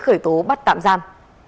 khởi tố bắt tạm giam